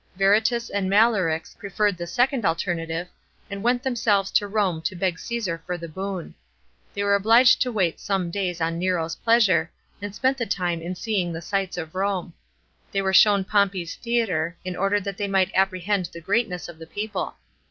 Verritus and Malorix preferred the second alternative, and went themselves to Rome to beg Csesar for the boon. They were obliged to wait some days on Nero's pleasure, and spent the time in seeing the sights of Rome, They were shown Pompey's theatre, in order that they might apprehend the greatness of the people.